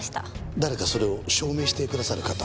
誰かそれを証明してくださる方は？